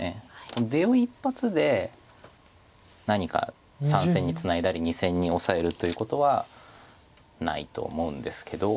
この出を一発で何か３線にツナいだり２線にオサえるということはないと思うんですけど。